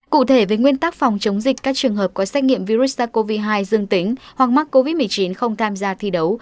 cụ thể về nguyên tắc phòng chống dịch các trường hợp có xét nghiệm virus sars cov hai dương tính hoặc mắc covid một mươi chín không tham gia thi đấu